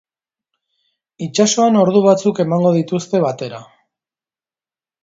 Itsasoan ordu batzuk emango dituzte batera.